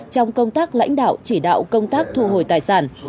trong công tác lãnh đạo chỉ đạo công tác thu hồi tài sản